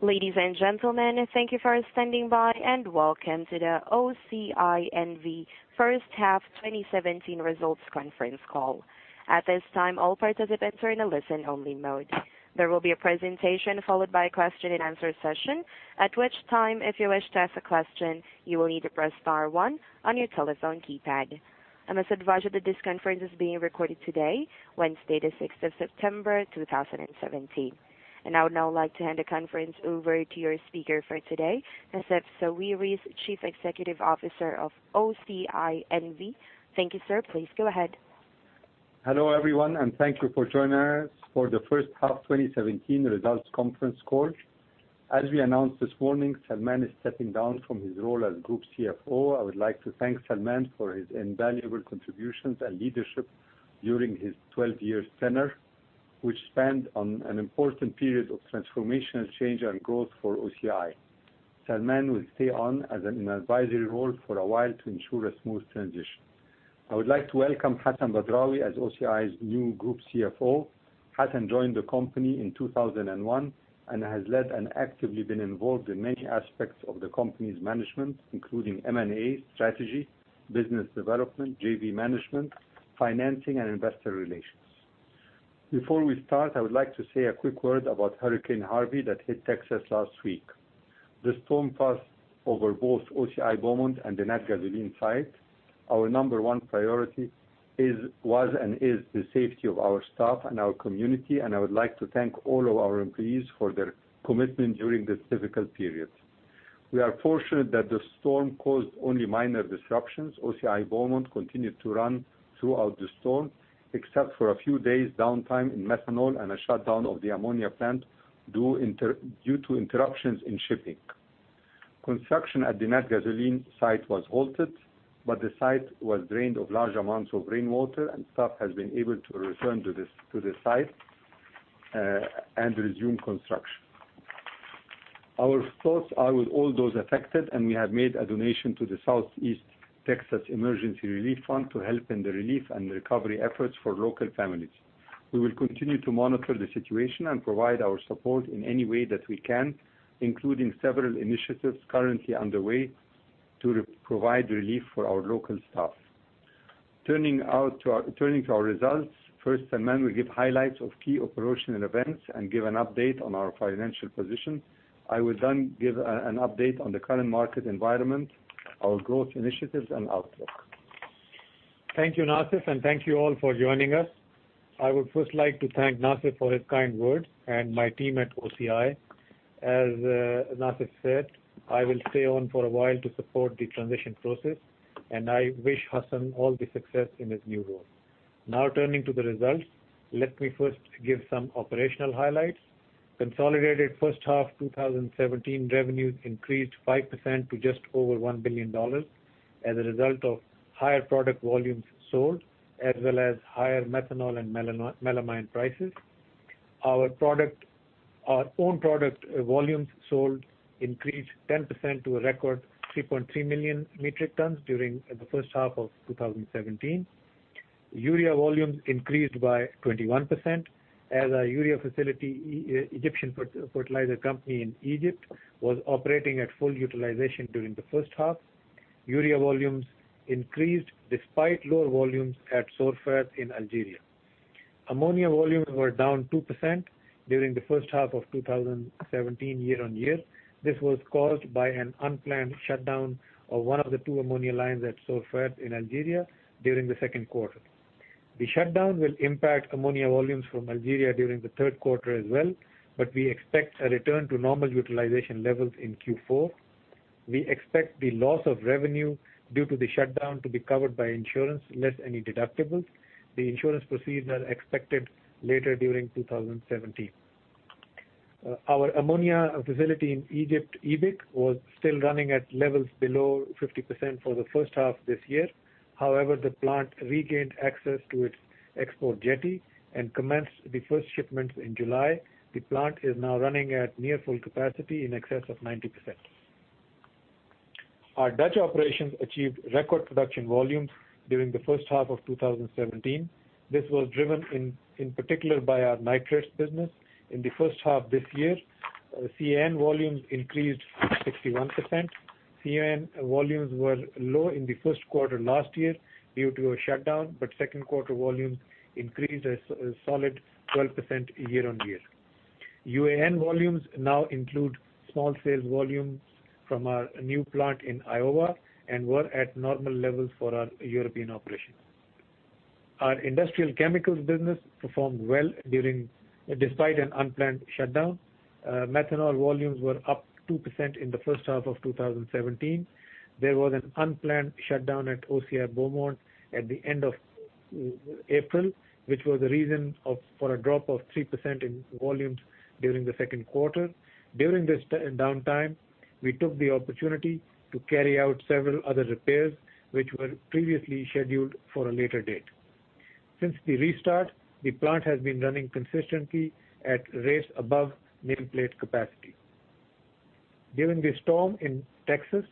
Ladies and gentlemen, thank you for standing by, and welcome to the OCI N.V. first half 2017 results conference call. At this time, all participants are in a listen-only mode. There will be a presentation followed by a question and answer session, at which time, if you wish to ask a question, you will need to press star 1 on your telephone keypad. I must advise you that this conference is being recorded today, Wednesday, the 6th of September, 2017. I would now like to hand the conference over to your speaker for today, Nassef Sawiris, Chief Executive Officer of OCI N.V. Thank you, sir. Please go ahead. Hello, everyone, and thank you for joining us for the first half 2017 results conference call. As we announced this morning, Salman is stepping down from his role as Group CFO. I would like to thank Salman for his invaluable contributions and leadership during his 12 years tenure, which spanned on an important period of transformational change and growth for OCI. Salman will stay on in an advisory role for a while to ensure a smooth transition. I would like to welcome Hassan Badrawi as OCI's new Group CFO. Hassan joined the company in 2001 and has led and actively been involved in many aspects of the company's management, including M&A, strategy, business development, JV management, financing, and investor relations. Before we start, I would like to say a quick word about Hurricane Harvey that hit Texas last week. The storm passed over both OCI Beaumont and the Natgasoline site. Our number one priority was and is the safety of our staff and our community, and I would like to thank all of our employees for their commitment during this difficult period. We are fortunate that the storm caused only minor disruptions. OCI Beaumont continued to run throughout the storm, except for a few days downtime in methanol and a shutdown of the ammonia plant due to interruptions in shipping. Construction at the Natgasoline site was halted, but the site was drained of large amounts of rainwater, and staff has been able to return to the site, and resume construction. Our thoughts are with all those affected, and we have made a donation to the Southeast Texas Emergency Relief Fund to help in the relief and recovery efforts for local families. We will continue to monitor the situation and provide our support in any way that we can, including several initiatives currently underway to provide relief for our local staff. Turning to our results. First, Salman will give highlights of key operational events and give an update on our financial position. I will give an update on the current market environment, our growth initiatives, and outlook. Thank you, Nassef, and thank you all for joining us. I would first like to thank Nassef for his kind words and my team at OCI. As Nassef said, I will stay on for a while to support the transition process, and I wish Hassan all the success in his new role. Turning to the results. Let me first give some operational highlights. Consolidated first half 2017 revenues increased 5% to just over $1 billion as a result of higher product volumes sold, as well as higher methanol and melamine prices. Our own product volumes sold increased 10% to a record 3.3 million metric tons during the first half of 2017. Urea volumes increased by 21% as our urea facility, Egyptian Fertilizer Company in Egypt, was operating at full utilization during the first half. Urea volumes increased despite lower volumes at Sorfert in Algeria. Ammonia volumes were down 2% during the first half of 2017 year-on-year. This was caused by an unplanned shutdown of one of the two ammonia lines at Sorfert in Algeria during the second quarter. The shutdown will impact ammonia volumes from Algeria during the third quarter as well, but we expect a return to normal utilization levels in Q4. We expect the loss of revenue due to the shutdown to be covered by insurance, less any deductibles. The insurance proceeds are expected later during 2017. Our ammonia facility in Egypt, EBIC, was still running at levels below 50% for the first half of this year. However, the plant regained access to its export jetty and commenced the first shipment in July. The plant is now running at near full capacity in excess of 90%. Our Dutch operations achieved record production volumes during the first half of 2017. This was driven in particular by our nitrates business. In the first half of this year, CN volumes increased 61%. CN volumes were low in the first quarter last year due to a shutdown, but second quarter volumes increased a solid 12% year-on-year. UAN volumes now include small sales volumes from our new plant in Iowa and were at normal levels for our European operations. Our industrial chemicals business performed well despite an unplanned shutdown. Methanol volumes were up 2% in the first half of 2017. There was an unplanned shutdown at OCI Beaumont at the end of April, which was the reason for a drop of 3% in volumes during the second quarter. During this downtime, we took the opportunity to carry out several other repairs, which were previously scheduled for a later date. Since the restart, the plant has been running consistently at rates above nameplate capacity. During the storm in Texas,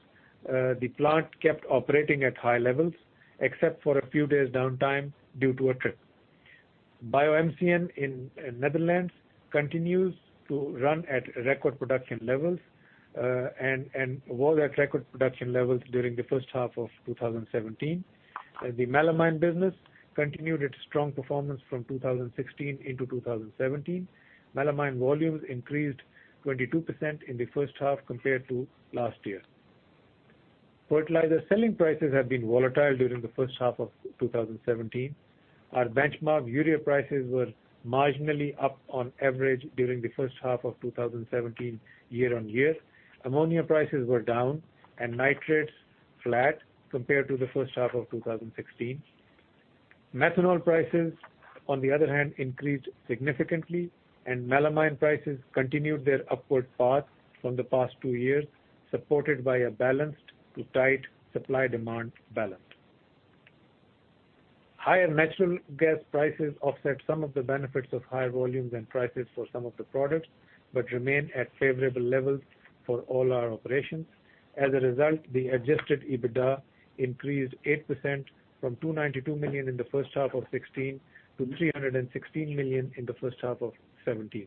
the plant kept operating at high levels, except for a few days downtime due to a trip. BioMCN in Netherlands continues to run at record production levels, and was at record production levels during the first half of 2017. The melamine business continued its strong performance from 2016 into 2017. Melamine volumes increased 22% in the first half compared to last year. Fertilizer selling prices have been volatile during the first half of 2017. Our benchmark urea prices were marginally up on average during the first half of 2017, year-on-year. Ammonia prices were down and nitrates flat compared to the first half of 2016. Methanol prices, on the other hand, increased significantly. Melamine prices continued their upward path from the past 2 years, supported by a balanced to tight supply-demand balance. Higher natural gas prices offset some of the benefits of higher volumes and prices for some of the products, but remain at favorable levels for all our operations. As a result, the adjusted EBITDA increased 8% from $292 million in the first half of 2016 to $316 million in the first half of 2017.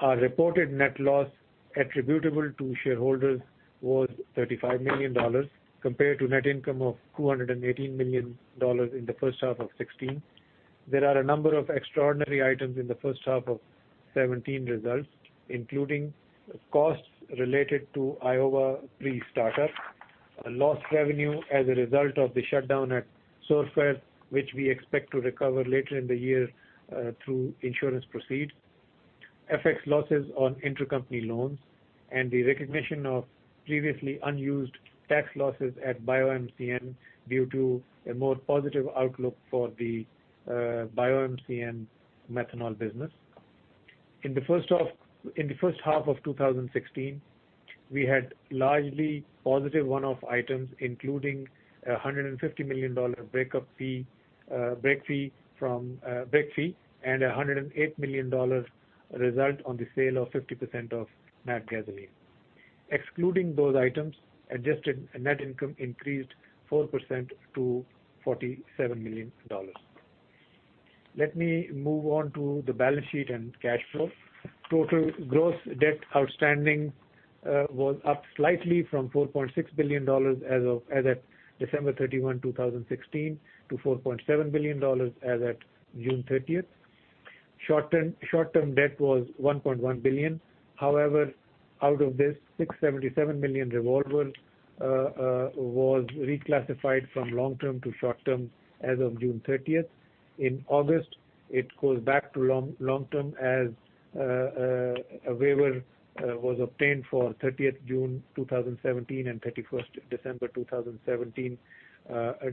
Our reported net loss attributable to shareholders was $35 million, compared to net income of $218 million in the first half of 2016. There are a number of extraordinary items in the first half of 2017 results, including costs related to Iowa pre-startup, lost revenue as a result of the shutdown at Sorfert, which we expect to recover later in the year through insurance proceeds, FX losses on intercompany loans, and the recognition of previously unused tax losses at BioMCN due to a more positive outlook for the BioMCN methanol business. In the first half of 2016, we had largely positive one-off items, including a $150 million break fee, and $108 million result on the sale of 50% of Natgasoline. Excluding those items, adjusted net income increased 4% to $47 million. Let me move on to the balance sheet and cash flow. Total gross debt outstanding was up slightly from $4.6 billion as at December 31, 2016, to $4.7 billion as at June 30th. Short-term debt was $1.1 billion. Out of this, $677 million revolver was reclassified from long-term to short-term as of June 30th. In August, it goes back to long-term as a waiver was obtained for 30th June 2017 and 31st December 2017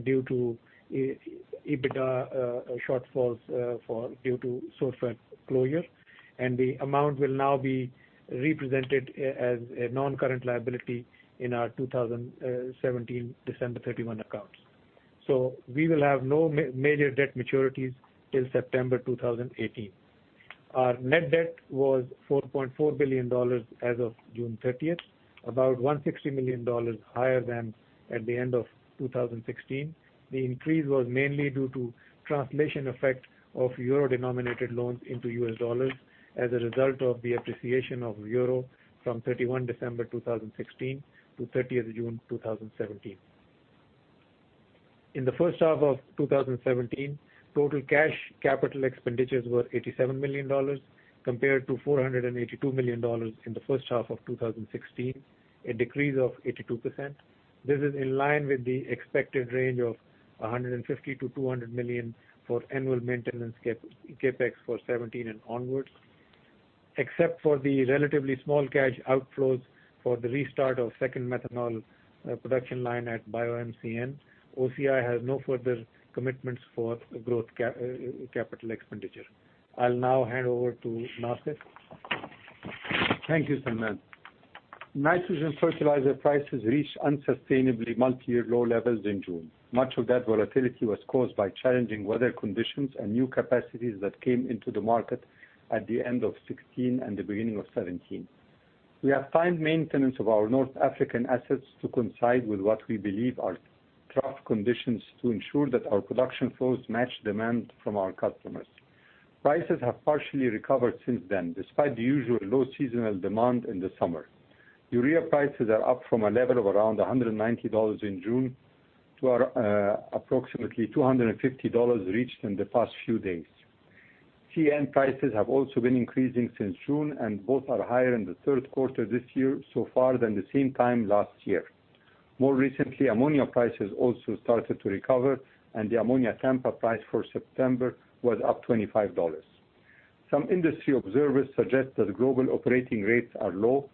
due to EBITDA shortfalls due to Sorfert closure. The amount will now be represented as a non-current liability in our 2017 December 31 accounts. We will have no major debt maturities till September 2018. Our net debt was $4.4 billion as of June 30th, about $160 million higher than at the end of 2016. The increase was mainly due to translation effect of euro-denominated loans into US dollars as a result of the appreciation of euro from 31 December 2016 to 30th June 2017. In the first half of 2017, total cash capital expenditures were $87 million compared to $482 million in the first half of 2016, a decrease of 82%. This is in line with the expected range of $150 million-$200 million for annual maintenance CapEx for 2017 and onwards. Except for the relatively small cash outflows for the restart of second methanol production line at BioMCN, OCI has no further commitments for growth capital expenditure. I will now hand over to Nassef. Thank you, Salman. Nitrogen fertilizer prices reached unsustainably multi-year low levels in June. Much of that volatility was caused by challenging weather conditions and new capacities that came into the market at the end of 2016 and the beginning of 2017. We have timed maintenance of our North African assets to coincide with what we believe are tough conditions to ensure that our production flows match demand from our customers. Prices have partially recovered since then, despite the usual low seasonal demand in the summer. Urea prices are up from a level of around $190 in June to approximately $250 reached in the past few days. [TN] prices have also been increasing since June, and both are higher in the third quarter this year so far than the same time last year. More recently, ammonia prices also started to recover, and the ammonia Tampa price for September was up $25. Some industry observers suggest that global operating rates are low.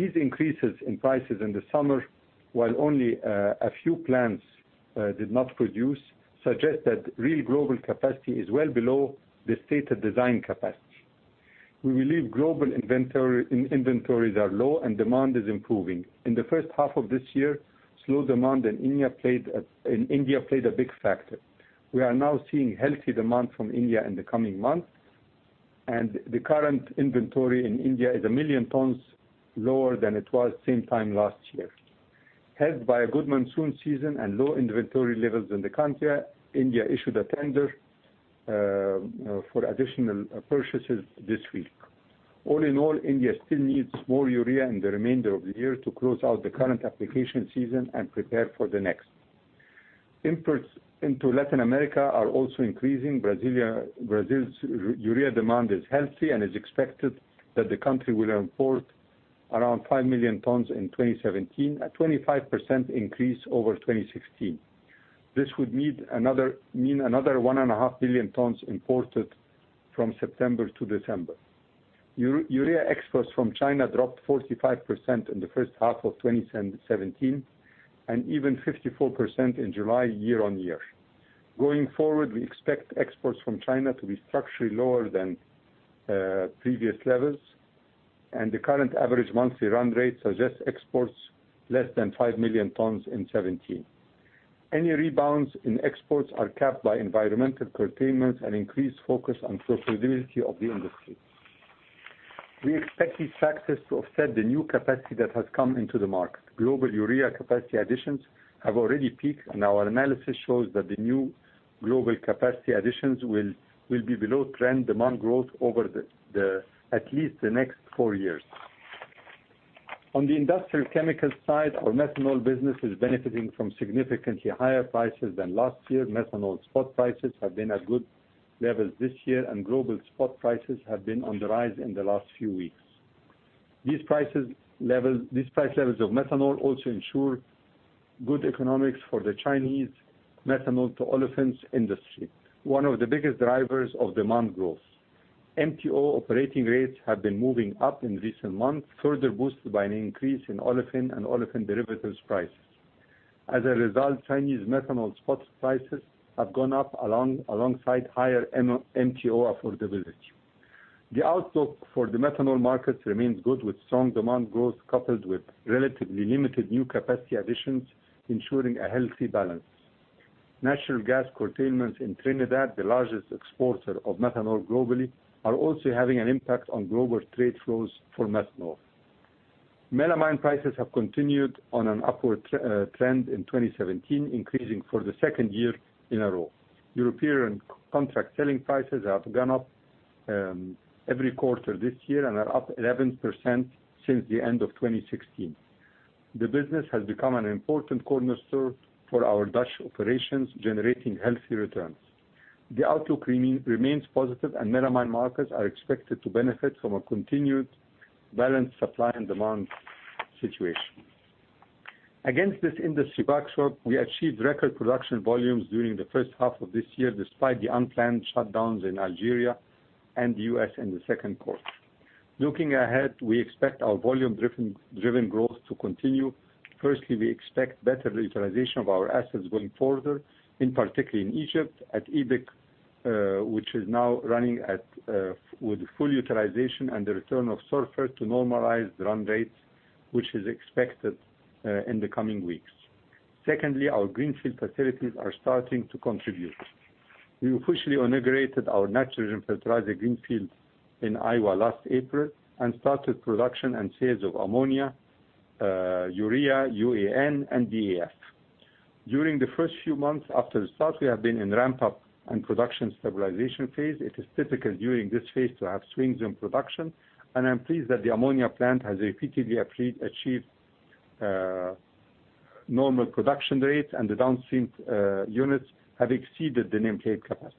These increases in prices in the summer, while only a few plants did not produce, suggest that real global capacity is well below the stated design capacity. We believe global inventories are low and demand is improving. In the first half of this year, slow demand in India played a big factor. We are now seeing healthy demand from India in the coming months. The current inventory in India is a million tons lower than it was same time last year. Helped by a good monsoon season and low inventory levels in the country, India issued a tender for additional purchases this week. All in all, India still needs more urea in the remainder of the year to close out the current application season and prepare for the next. Imports into Latin America are also increasing. Brazil's urea demand is healthy and it is expected that the country will import around five million tons in 2017, a 25% increase over 2016. This would mean another one and a half billion tons imported from September to December. Urea exports from China dropped 45% in the first half of 2017, and even 54% in July year-on-year. Going forward, we expect exports from China to be structurally lower than previous levels, and the current average monthly run rate suggests exports less than five million tons in 2017. Any rebounds in exports are capped by environmental curtailments and increased focus on profitability of the industry. We expect these factors to offset the new capacity that has come into the market. Global urea capacity additions have already peaked. Our analysis shows that the new global capacity additions will be below trend demand growth over at least the next four years. On the industrial chemicals side, our methanol business is benefiting from significantly higher prices than last year. Methanol spot prices have been at good levels this year, and global spot prices have been on the rise in the last few weeks. These price levels of methanol also ensure good economics for the Chinese methanol to olefins industry, one of the biggest drivers of demand growth. MTO operating rates have been moving up in recent months, further boosted by an increase in olefin and olefin derivatives prices. As a result, Chinese methanol spot prices have gone up alongside higher MTO affordability. The outlook for the methanol markets remains good, with strong demand growth coupled with relatively limited new capacity additions, ensuring a healthy balance. Natural gas curtailments in Trinidad, the largest exporter of methanol globally, are also having an impact on global trade flows for methanol. Melamine prices have continued on an upward trend in 2017, increasing for the second year in a row. European contract selling prices have gone up every quarter this year and are up 11% since the end of 2016. The business has become an important cornerstone for our Dutch operations, generating healthy returns. The outlook remains positive, and melamine markets are expected to benefit from a continued balanced supply and demand situation. Against this industry backdrop, we achieved record production volumes during the first half of this year, despite the unplanned shutdowns in Algeria and the U.S. in the second quarter. Looking ahead, we expect our volume-driven growth to continue. Firstly, we expect better utilization of our assets going forward, in particular in Egypt at EBIC, which is now running with full utilization and the return of Sorfert to normalized run rates, which is expected in the coming weeks. Secondly, our greenfield facilities are starting to contribute. We officially inaugurated our nitrogen fertilizer greenfield in Iowa last April and started production and sales of ammonia, urea, UAN, and DEF. During the first few months after the start, we have been in ramp-up and production stabilization phase. It is typical during this phase to have swings in production, and I'm pleased that the ammonia plant has repeatedly achieved normal production rates and the downstream units have exceeded the nameplate capacity.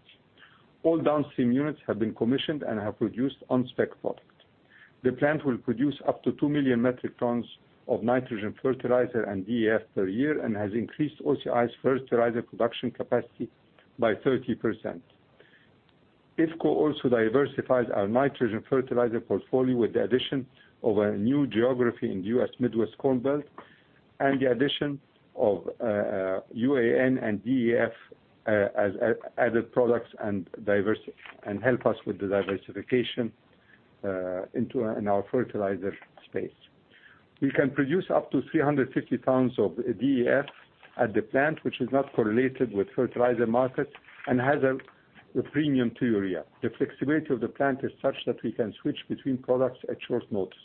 All downstream units have been commissioned and have produced on-spec product. The plant will produce up to 2 million metric tons of nitrogen fertilizer and DEF per year and has increased OCI's fertilizer production capacity by 30%. IFCO also diversified our nitrogen fertilizer portfolio with the addition of a new geography in U.S. Midwest Corn Belt and the addition of UAN and DEF as added products and help us with the diversification in our fertilizer space. We can produce up to 350 tons of DEF at the plant, which is not correlated with fertilizer markets and has a premium to urea. The flexibility of the plant is such that we can switch between products at short notice.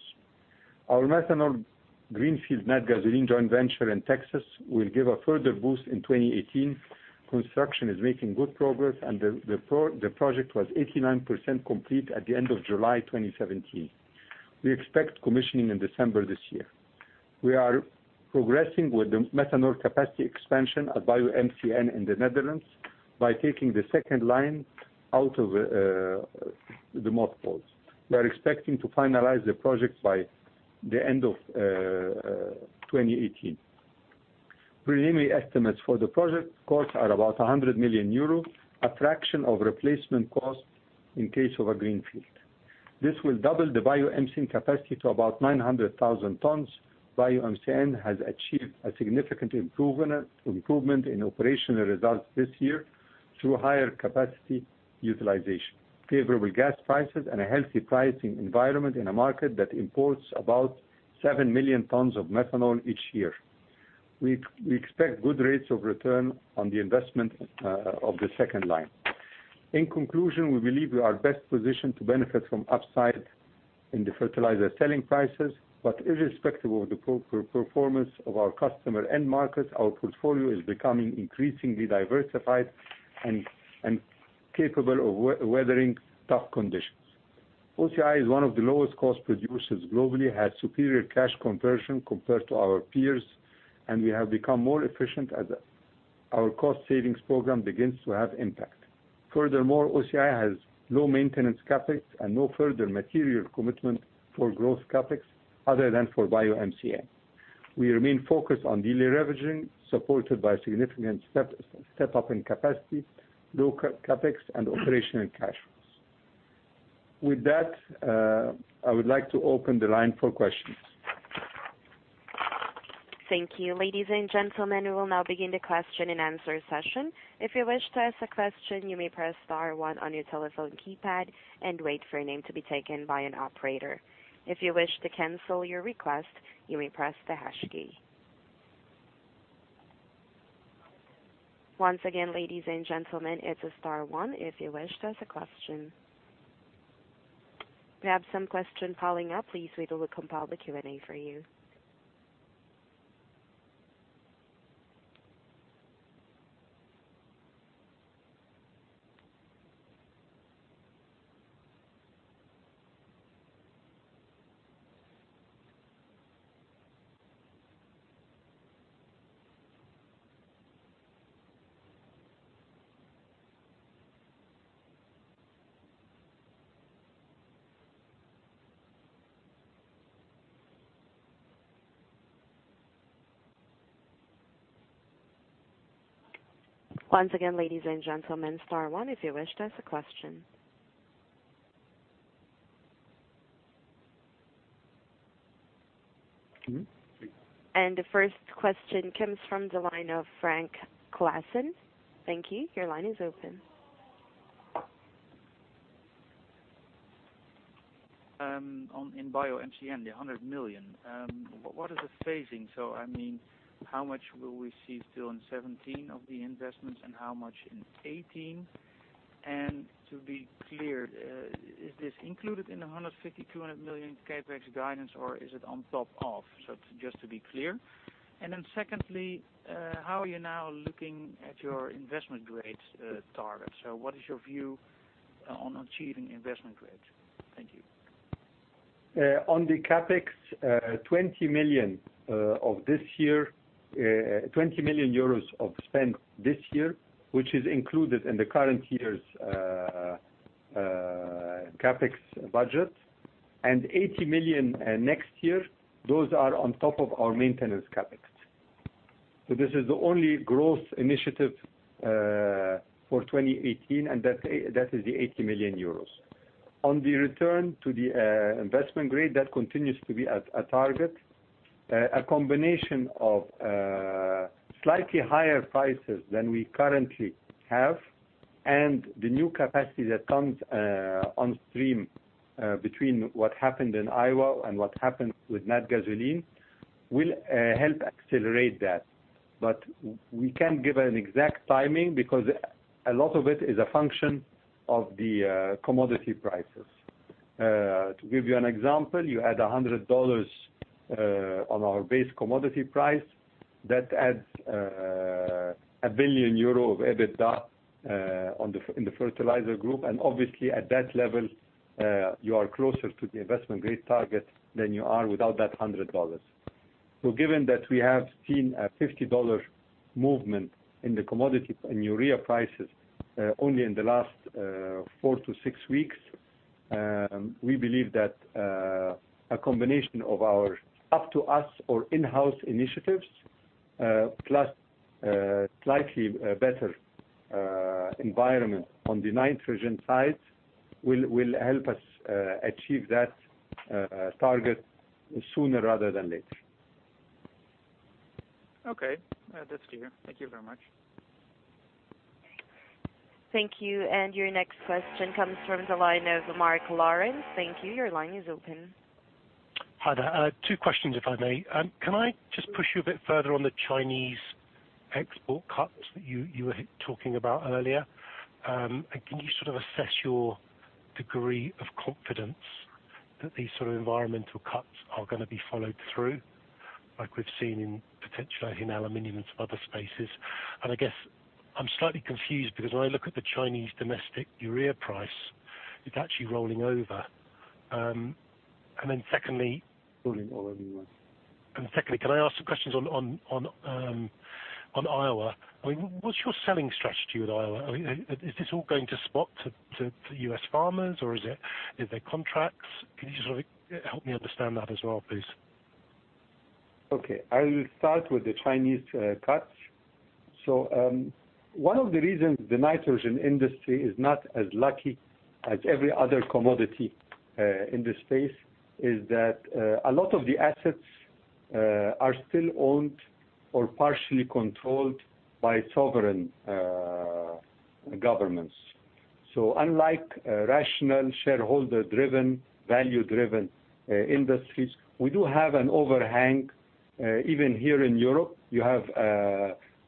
Our methanol greenfield Natgasoline joint venture in Texas will give a further boost in 2018. Construction is making good progress and the project was 89% complete at the end of July 2017. We expect commissioning in December this year. We are progressing with the methanol capacity expansion at BioMCN in the Netherlands by taking the second line out of the mothballs. We are expecting to finalize the project by the end of 2018. Preliminary estimates for the project costs are about €100 million, a fraction of replacement cost in case of a greenfield. This will double the BioMCN capacity to about 900,000 tons. BioMCN has achieved a significant improvement in operational results this year through higher capacity utilization, favorable gas prices, and a healthy pricing environment in a market that imports about 7 million tons of methanol each year. We expect good rates of return on the investment of the second line. In conclusion, we believe we are best positioned to benefit from upside in the fertilizer selling prices. Irrespective of the performance of our customer end markets, our portfolio is becoming increasingly diversified and capable of weathering tough conditions. OCI is one of the lowest cost producers globally, has superior cash conversion compared to our peers, and we have become more efficient as our cost savings program begins to have impact. Furthermore, OCI has low maintenance CapEx and no further material commitment for growth CapEx other than for BioMCN. We remain focused on deleveraging, supported by significant step up in capacity, low CapEx, and operational cash flows. With that, I would like to open the line for questions. Thank you. Ladies and gentlemen, we will now begin the question and answer session. If you wish to ask a question, you may press star one on your telephone keypad and wait for your name to be taken by an operator. If you wish to cancel your request, you may press the hash key. Once again, ladies and gentlemen, it's star one if you wish to ask a question. We have some question piling up. Please wait while we compile the Q&A for you. Once again, ladies and gentlemen, star one if you wish to ask a question. The first question comes from the line of Frank Klaassen. Thank you. Your line is open. In BioMCN, the 100 million, what is the phasing? I mean, how much will we see still in 2017 of the investments and how much in 2018? To be clear, is this included in the $150 million-$200 million CapEx guidance or is it on top of? Just to be clear. Then secondly, how are you now looking at your investment grade target? What is your view on achieving investment grade? Thank you. On the CapEx, 20 million of this year, 20 million euros of spend this year, which is included in the current year's CapEx budget, and 80 million next year. Those are on top of our maintenance CapEx. This is the only growth initiative for 2018, and that is the 80 million euros. On the return to the investment grade, that continues to be a target. A combination of slightly higher prices than we currently have and the new capacity that comes on stream, between what happened in Iowa and what happened with Natgasoline, will help accelerate that. We can't give an exact timing because a lot of it is a function of the commodity prices. To give you an example, you add $100 on our base commodity price, that adds 1 billion euro of EBITDA in the fertilizer group. Obviously at that level, you are closer to the investment grade target than you are without that $100. Given that we have seen a $50 movement in the commodity, in urea prices, only in the last four to six weeks, we believe that a combination of our up to us or in-house initiatives, plus slightly better environment on the nitrogen side, will help us achieve that target sooner rather than later. Okay. That's clear. Thank you very much. Thank you. Your next question comes from the line of Mark Lauren. Thank you. Your line is open. Hi there. Two questions, if I may. Can I just push you a bit further on the Chinese export cuts that you were talking about earlier? Can you sort of assess your degree of confidence that these sort of environmental cuts are gonna be followed through like we've seen in potentially in aluminum and some other spaces? I guess, I'm slightly confused because when I look at the Chinese domestic urea price, it's actually rolling over. Secondly- Rolling over, you mean? Secondly, can I ask some questions on Iowa? I mean, what's your selling strategy with Iowa? I mean, is this all going to spot to U.S. farmers, or are they contracts? Can you just sort of help me understand that as well, please? Okay. I will start with the Chinese cuts. One of the reasons the nitrogen industry is not as lucky as every other commodity in this space is that a lot of the assets are still owned or partially controlled by sovereign governments. Unlike rational shareholder-driven, value-driven industries, we do have an overhang. Even here in Europe, you have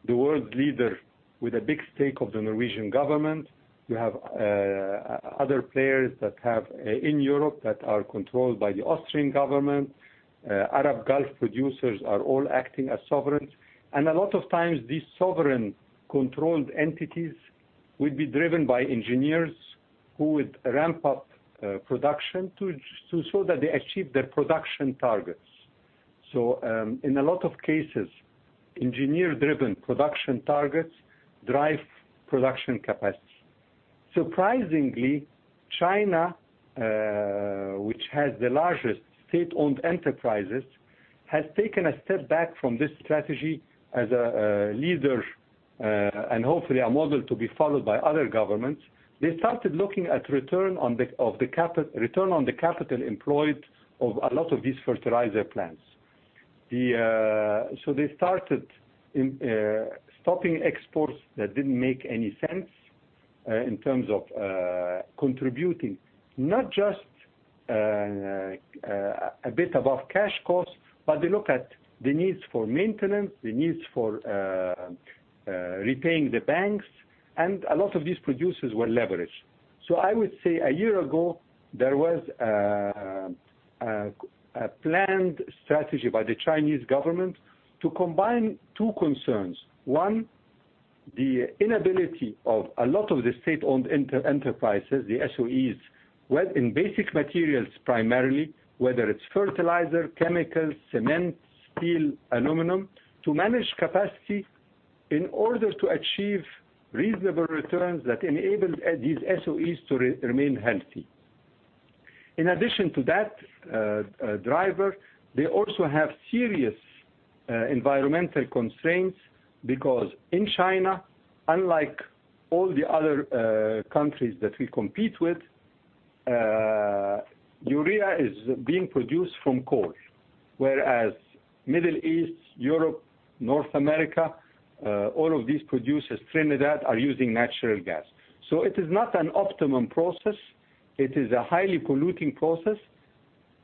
the world leader with a big stake of the Norwegian government. You have other players in Europe that are controlled by the Austrian government. Arab Gulf producers are all acting as sovereigns. A lot of times these sovereign-controlled entities will be driven by engineers who would ramp up production so that they achieve their production targets. In a lot of cases, engineer-driven production targets drive production capacity. Surprisingly, China, which has the largest State-Owned Enterprises, has taken a step back from this strategy as a leader, and hopefully a model to be followed by other governments. They started looking at return on the capital employed of a lot of these fertilizer plants. They started stopping exports that didn't make any sense in terms of contributing, not just a bit above cash costs, but they look at the needs for maintenance, the needs for repaying the banks, and a lot of these producers were leveraged. I would say a year ago, there was a planned strategy by the Chinese government to combine two concerns. One, the inability of a lot of the State-Owned Enterprises, the SOEs, in basic materials primarily, whether it's fertilizer, chemicals, cement, steel, aluminum, to manage capacity in order to achieve reasonable returns that enable these SOEs to remain healthy. In addition to that driver, they also have serious environmental constraints, because in China, unlike all the other countries that we compete with, urea is being produced from coal. Whereas Middle East, Europe, North America, all of these producers, Trinidad, are using natural gas. It is not an optimum process. It is a highly polluting process.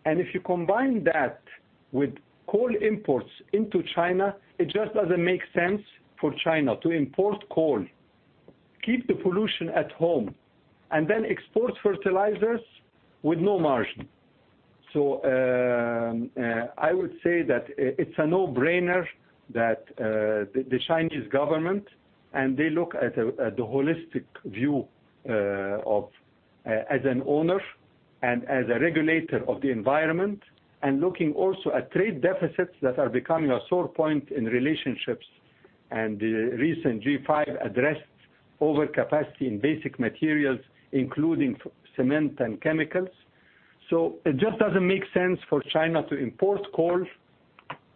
If you combine that with coal imports into China, it just doesn't make sense for China to import coal, keep the pollution at home, and then export fertilizers with no margin. I would say that it's a no-brainer that the Chinese government, and they look at the holistic view as an owner and as a regulator of the environment, and looking also at trade deficits that are becoming a sore point in relationships. The recent G20 addressed overcapacity in basic materials, including cement and chemicals. It just doesn't make sense for China to import coal,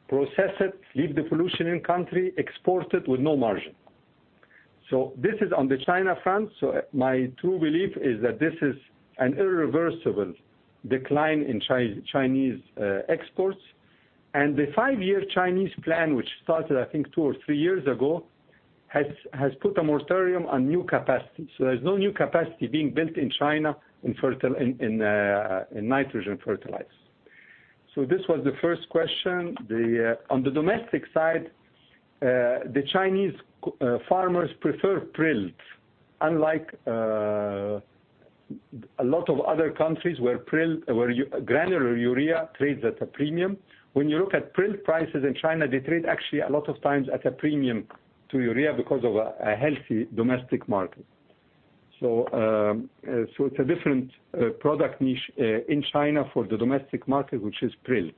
process it, leave the pollution in country, export it with no margin. This is on the China front. My true belief is that this is an irreversible decline in Chinese exports. The five-year Chinese plan, which started, I think, two or three years ago, has put a moratorium on new capacity. There's no new capacity being built in China in nitrogen fertilizers. This was the first question. On the domestic side, the Chinese farmers prefer prill. Unlike a lot of other countries where granular urea trades at a premium, when you look at prill prices in China, they trade actually a lot of times at a premium to urea because of a healthy domestic market. It's a different product niche in China for the domestic market, which is prill.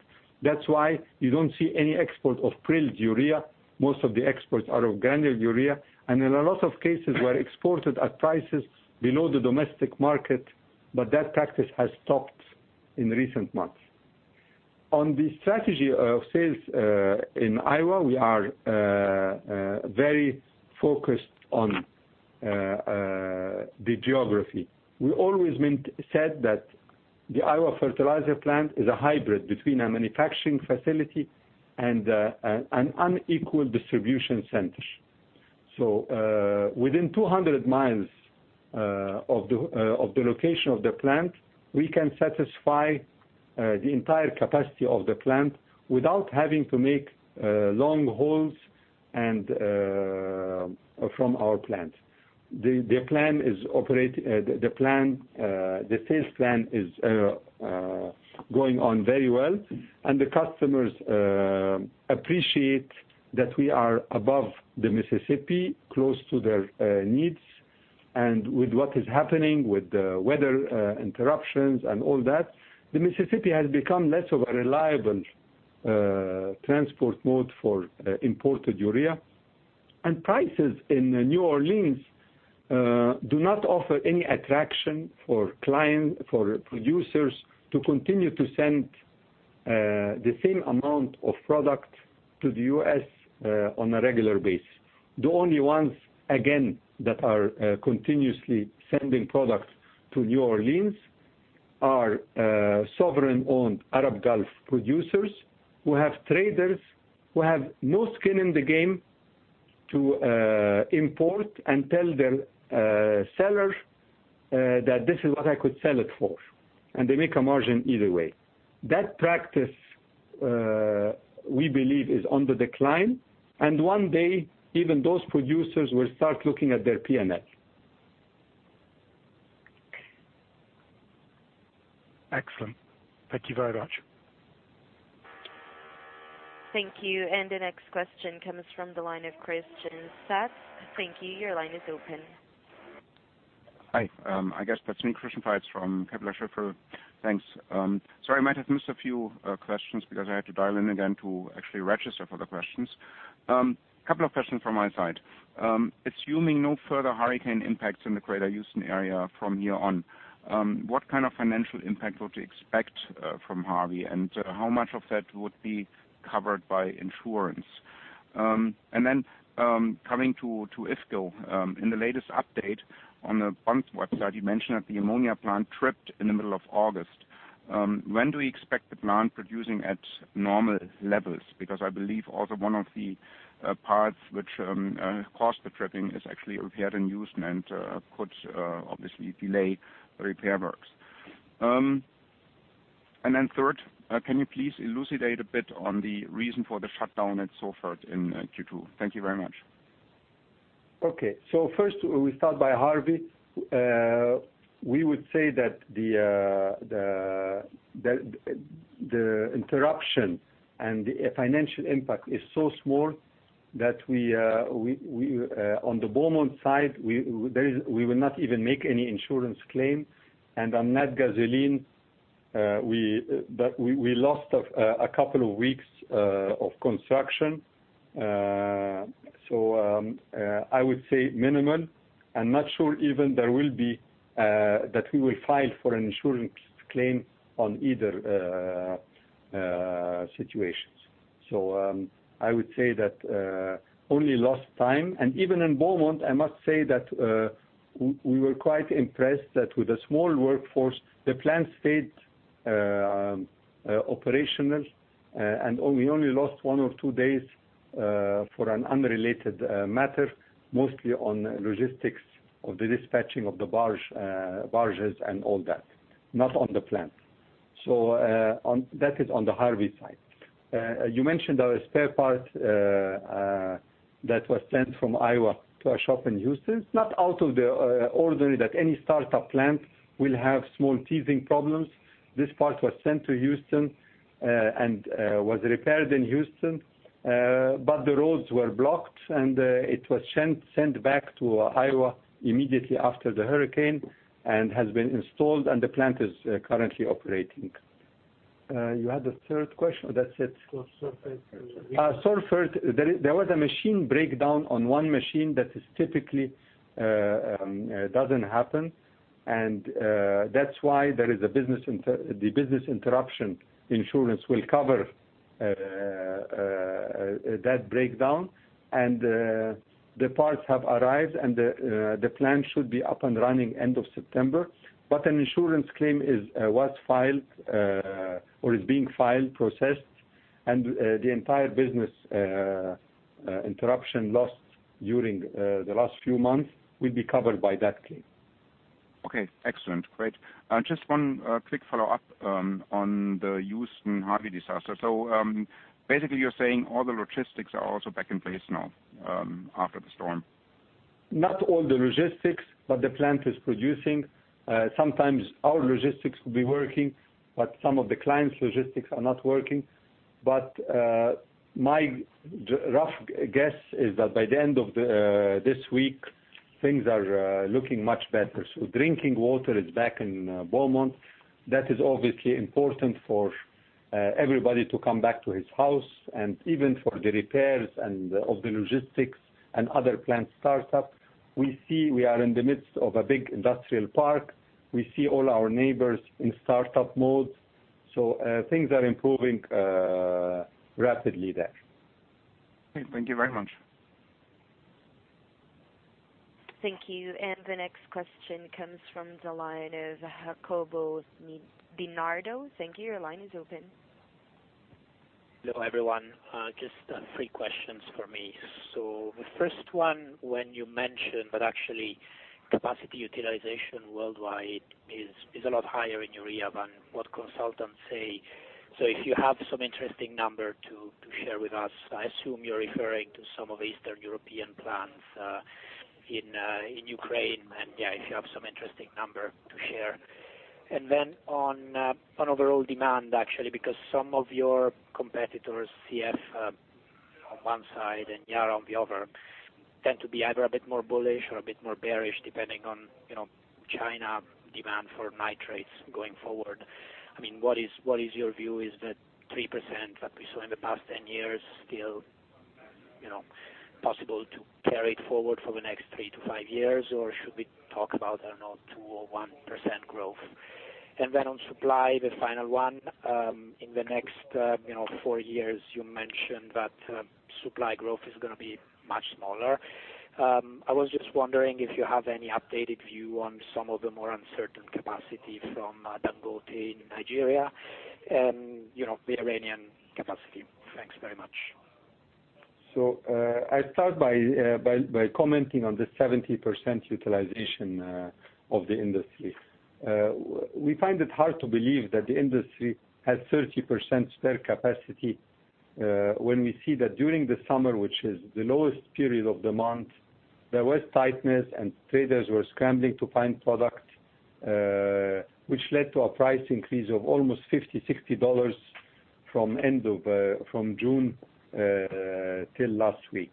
That's why you don't see any export of prilled urea. Most of the exports are of granular urea, and in a lot of cases were exported at prices below the domestic market, but that practice has stopped in recent months. On the strategy of sales in Iowa, we are very focused on the geography. We always said that the Iowa fertilizer plant is a hybrid between a manufacturing facility and an unequal distribution center. Within 200 miles of the location of the plant, we can satisfy the entire capacity of the plant without having to make long hauls from our plant. The sales plan is going on very well, and the customers appreciate that we are above the Mississippi, close to their needs. With what is happening with the weather interruptions and all that, the Mississippi has become less of a reliable transport mode for imported urea. Prices in New Orleans do not offer any attraction for producers to continue to send the same amount of product to the U.S. on a regular basis. The only ones, again, that are continuously sending products to New Orleans are sovereign-owned Arab Gulf producers who have traders, who have no skin in the game to import and tell their seller that this is what I could sell it for, and they make a margin either way. That practice, we believe, is on the decline, and one day, even those producers will start looking at their P&L. Excellent. Thank you very much. Thank you. The next question comes from the line of Christian Faitz. Thank you. Your line is open. Hi. I guess that's me, Christian Faitz from Kepler Cheuvreux. Thanks. Sorry, I might have missed a few questions because I had to dial in again to actually register for the questions. Couple of questions from my side. Assuming no further Hurricane Harvey impacts in the greater Houston area from here on, what kind of financial impact would you expect from Harvey, and how much of that would be covered by insurance? Coming to IFCO, in the latest update on the bonds website, you mentioned that the ammonia plant tripped in the middle of August. When do we expect the plant producing at normal levels? I believe also one of the parts which caused the tripping is actually repair in Houston and could obviously delay the repair works. Third, can you please elucidate a bit on the reason for the shutdown at Sorfert in Q2? Thank you very much. First, we start by Hurricane Harvey. We would say that the interruption and the financial impact is so small that on the Beaumont side, we will not even make any insurance claim. On Natgasoline, we lost a couple of weeks of construction. I would say minimal, and not sure even that we will file for an insurance claim on either situations. I would say that only lost time. Even in Beaumont, I must say that we were quite impressed that with a small workforce, the plant stayed operational, and we only lost one or two days for an unrelated matter, mostly on logistics of the dispatching of the barges and all that, not on the plant. That is on the Hurricane Harvey side. You mentioned our spare part that was sent from Iowa to a shop in Houston. It's not out of the ordinary that any startup plant will have small teething problems. This part was sent to Houston and was repaired in Houston. The roads were blocked, and it was sent back to Iowa immediately after Hurricane Harvey and has been installed, and the plant is currently operating. You had a third question or that's it? Sorfert. Sorfert. There was a machine breakdown on one machine that typically doesn't happen, and that's why the business interruption insurance will cover that breakdown. The parts have arrived, and the plant should be up and running end of September. An insurance claim was filed, or is being filed, processed, and the entire business interruption lost during the last few months will be covered by that claim. Okay. Excellent. Great. Just one quick follow-up on the Houston Harvey disaster. Basically, you're saying all the logistics are also back in place now after the storm? Not all the logistics, but the plant is producing. Sometimes our logistics will be working, but some of the clients' logistics are not working. My rough guess is that by the end of this week, things are looking much better. Drinking water is back in Beaumont. That is obviously important for everybody to come back to his house and even for the repairs and of the logistics and other plant startup. We are in the midst of a big industrial park. We see all our neighbors in startup mode. Things are improving rapidly there. Okay. Thank you very much. Thank you. The next question comes from the line of Jacobo Benardo. Thank you. Your line is open. Hello, everyone. Just three questions for me. The first one, when you mentioned that actually capacity utilization worldwide is a lot higher in urea than what consultants say. If you have some interesting number to share with us, I assume you're referring to some of Eastern European plants in Ukraine, and if you have some interesting number to share. On overall demand, actually, because some of your competitors, CF on one side and Yara on the other, tend to be either a bit more bullish or a bit more bearish depending on China demand for nitrates going forward. What is your view? Is the 3% that we saw in the past 10 years still possible to carry it forward for the next three to five years, or should we talk about, I don't know, 2% or 1% growth? On supply, the final one, in the next four years, you mentioned that supply growth is going to be much smaller. I was just wondering if you have any updated view on some of the more uncertain capacity from Dangote in Nigeria and the Iranian capacity. Thanks very much. I'll start by commenting on the 70% utilization of the industry. We find it hard to believe that the industry has 30% spare capacity, when we see that during the summer, which is the lowest period of demand, there was tightness and traders were scrambling to find product, which led to a price increase of almost 50, EUR 60 from June till last week.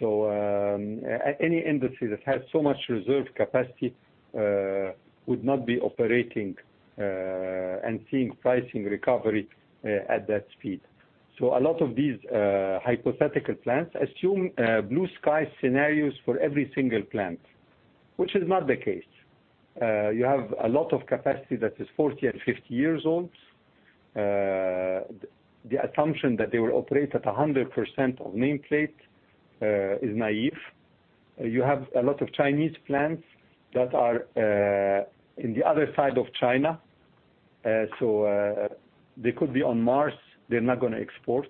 Any industry that has so much reserve capacity would not be operating and seeing pricing recovery at that speed. A lot of these hypothetical plans assume blue sky scenarios for every single plant, which is not the case. You have a lot of capacity that is 40 and 50 years old. The assumption that they will operate at 100% of nameplate is naive. You have a lot of Chinese plants that are in the other side of China. They could be on Mars, they're not going to export.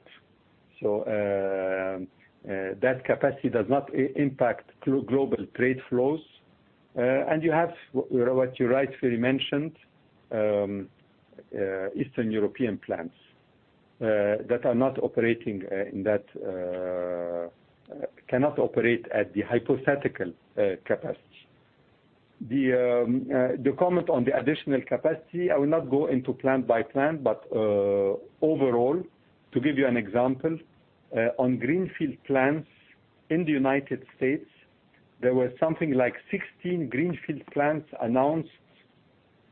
That capacity does not impact global trade flows. You have what you rightfully mentioned, Eastern European plants, that cannot operate at the hypothetical capacity. The comment on the additional capacity, I will not go into plant by plant, but overall, to give you an example, on greenfield plants in the U.S., there were something like 16 greenfield plants announced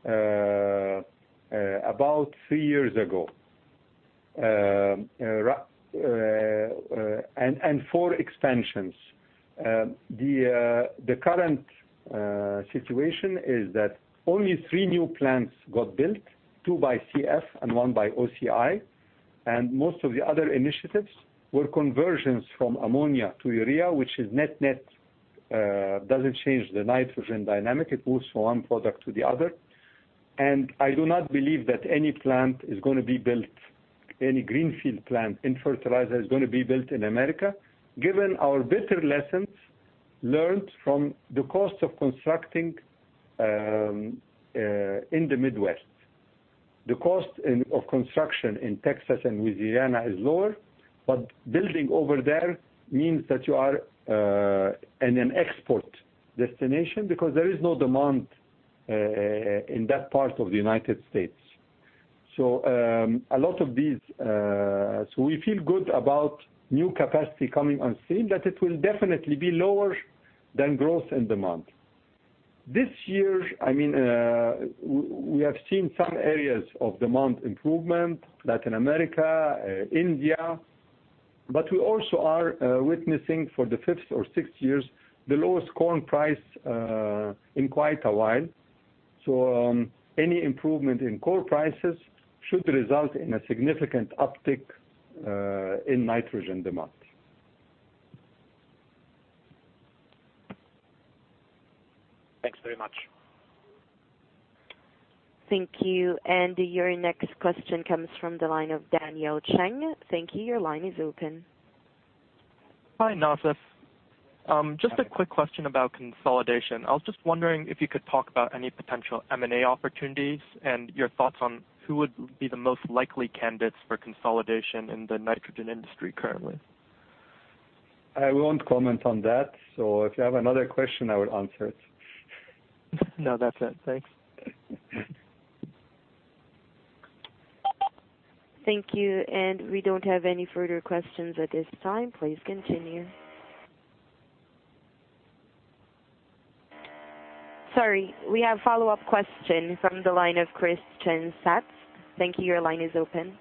about three years ago, and four expansions. The current situation is that only three new plants got built, two by CF and one by OCI. Most of the other initiatives were conversions from ammonia to urea, which is net-net, doesn't change the nitrogen dynamic. It moves from one product to the other. I do not believe that any greenfield plant in fertilizer is going to be built in America, given our bitter lessons learned from the cost of constructing in the Midwest. The cost of construction in Texas and Louisiana is lower, but building over there means that you are in an export destination because there is no demand in that part of the United States. We feel good about new capacity coming on stream, that it will definitely be lower than growth in demand. This year, we have seen some areas of demand improvement, Latin America, India, we also are witnessing for the fifth or sixth years, the lowest corn price in quite a while. Any improvement in corn prices should result in a significant uptick in nitrogen demand. Thanks very much. Thank you. Your next question comes from the line of Daniel Cheng. Thank you. Your line is open. Hi, Nassef. Hi. Just a quick question about consolidation. I was just wondering if you could talk about any potential M&A opportunities and your thoughts on who would be the most likely candidates for consolidation in the nitrogen industry currently. I won't comment on that. If you have another question, I would answer it. No, that's it. Thanks. Thank you. We don't have any further questions at this time. Please continue. Sorry, we have a follow-up question from the line of Christian Faitz. Thank you. Your line is open.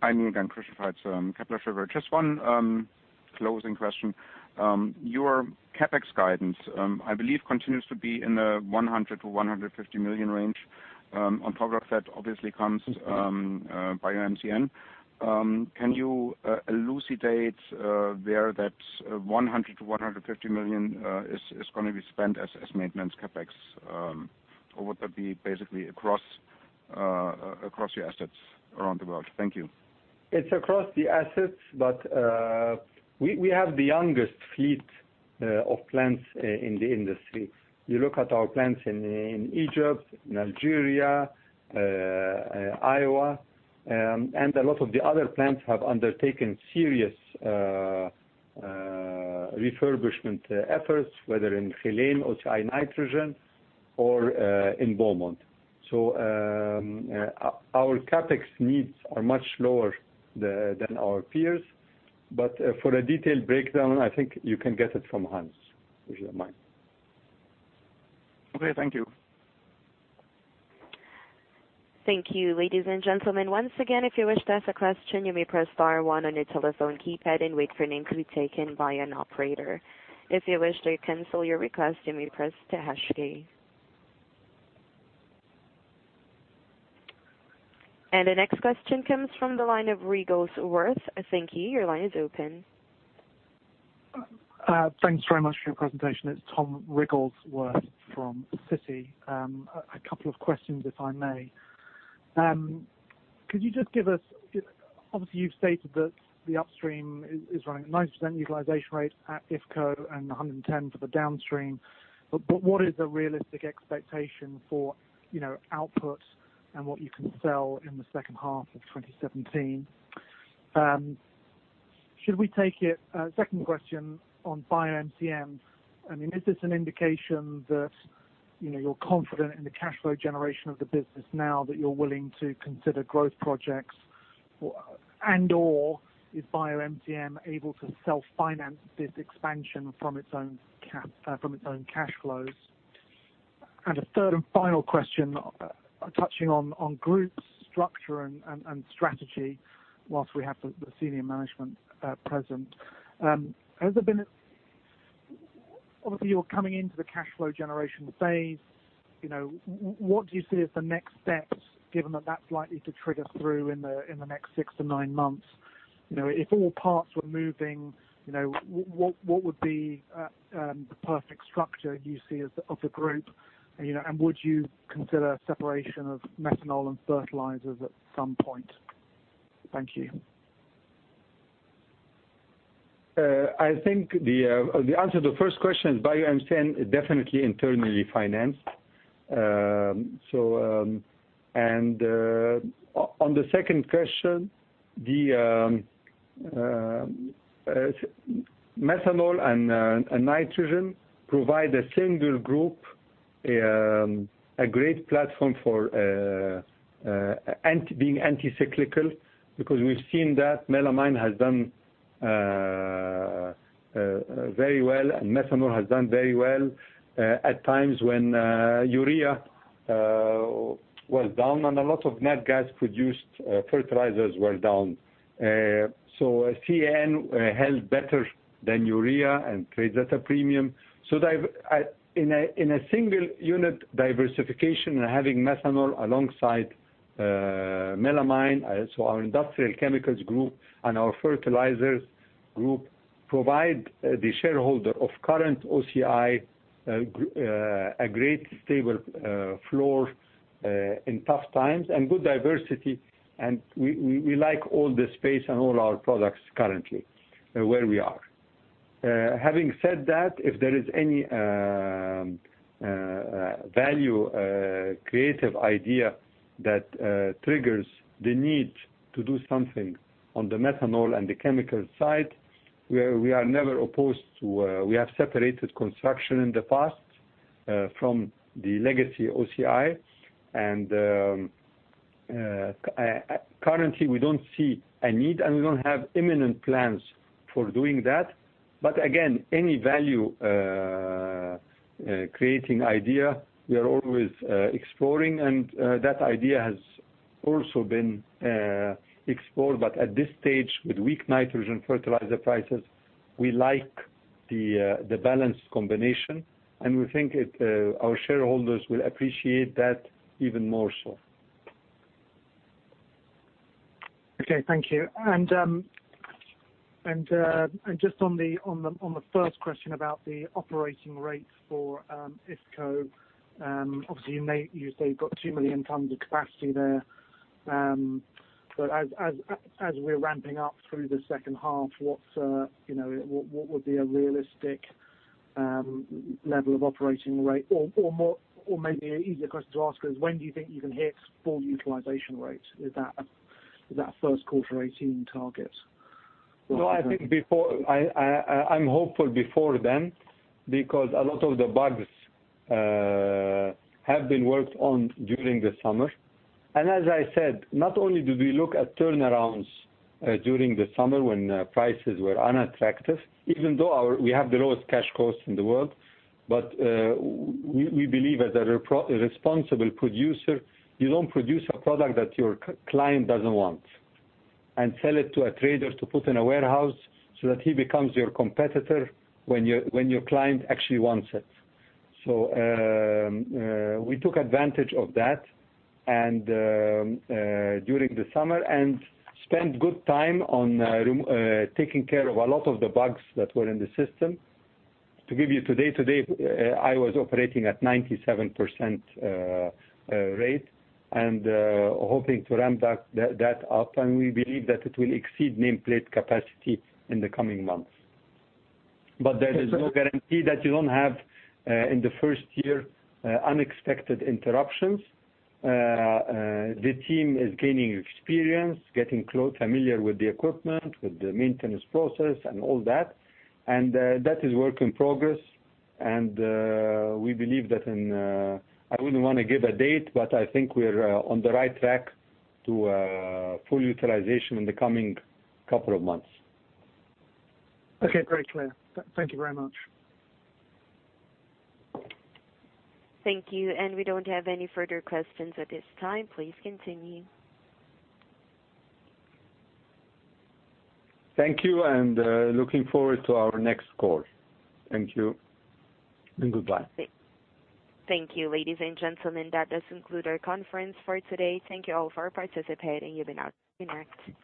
Hi again, Christian Faitz, Kepler Cheuvreux. Just one closing question. Your CapEx guidance, I believe continues to be in the $100 million-$150 million range. On top of that, obviously comes BioMCN. Can you elucidate where that $100 million-$150 million is going to be spent as maintenance CapEx? Or would that be basically across your assets around the world? Thank you. It's across the assets. We have the youngest fleet of plants in the industry. You look at our plants in Egypt, Nigeria, Iowa, and a lot of the other plants have undertaken serious refurbishment efforts, whether in Geleen, OCI Nitrogen, or in Beaumont. Our CapEx needs are much lower than our peers. For a detailed breakdown, I think you can get it from Hassan, if you don't mind. Okay. Thank you. Thank you, ladies and gentlemen. Once again, if you wish to ask a question, you may press star one on your telephone keypad and wait for your name to be taken by an operator. If you wish to cancel your request, you may press hash key. The next question comes from the line of Wrigglesworth. Thank you. Your line is open. Thanks very much for your presentation. It's Tom Wrigglesworth from Citi. A couple of questions, if I may. Could you just give us, obviously, you've stated that the upstream is running at 90% utilization rate at IFCO and 110% for the downstream. What is the realistic expectation for output and what you can sell in the second half of 2017? Should we take it, second question on BioMCN, is this an indication that you're confident in the cash flow generation of the business now that you're willing to consider growth projects? Or is BioMCN able to self-finance this expansion from its own cash flows? A third and final question, touching on group structure and strategy whilst we have the senior management present. Obviously, you're coming into the cash flow generation phase. What do you see as the next steps, given that that's likely to trigger through in the next 6-9 months? If all parts were moving, what would be the perfect structure you see of the group? Would you consider separation of methanol and fertilizers at some point? Thank you. I think the answer to the first question is BioMCN is definitely internally financed. On the second question, methanol and nitrogen provide a single group, a great platform for being anti-cyclical, because we've seen that melamine has done very well, and methanol has done very well at times when urea was down and a lot of nat gas-produced fertilizers were down. CAN held better than urea and trades at a premium. In a single unit diversification and having methanol alongside melamine, so our industrial chemicals group and our fertilizers group provide the shareholder of current OCI a great stable floor in tough times and good diversity, and we like all the space and all our products currently where we are. Having said that, if there is any value creative idea that triggers the need to do something on the methanol and the chemical side, we are never opposed to. We have separated construction in the past from the legacy OCI, and currently, we don't see a need, and we don't have imminent plans for doing that. Again, any value-creating idea, we are always exploring, and that idea has also been explored. At this stage, with weak nitrogen fertilizer prices, we like the balanced combination, and we think our shareholders will appreciate that even more so. Okay, thank you. Just on the first question about the operating rates for IFCO, obviously you say you've got 2 million tons of capacity there. As we're ramping up through the second half, what would be a realistic level of operating rate? Maybe an easier question to ask is when do you think you can hit full utilization rates? Is that a first quarter 2018 target? No, I'm hopeful before then because a lot of the bugs have been worked on during the summer. As I said, not only did we look at turnarounds during the summer when prices were unattractive, even though we have the lowest cash costs in the world. We believe as a responsible producer, you don't produce a product that your client doesn't want and sell it to a trader to put in a warehouse so that he becomes your competitor when your client actually wants it. We took advantage of that during the summer and spent good time on taking care of a lot of the bugs that were in the system. To give you today, I was operating at 97% rate and hoping to ramp that up, and we believe that it will exceed nameplate capacity in the coming months. There is no guarantee that you don't have, in the first year, unexpected interruptions. The team is gaining experience, getting familiar with the equipment, with the maintenance process, and all that, and that is work in progress, and we believe that in, I wouldn't want to give a date, but I think we're on the right track to full utilization in the coming couple of months. Okay, great, clear. Thank you very much. Thank you. We don't have any further questions at this time. Please continue. Thank you, and looking forward to our next call. Thank you and goodbye. Thank you, ladies and gentlemen. That does conclude our conference for today. Thank you all for participating. You may now disconnect.